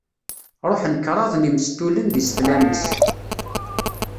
Ṛuḥen kṛaḍ n yimestulen d iseflan-is.